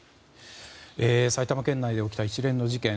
埼玉県内で起きた一連の事件。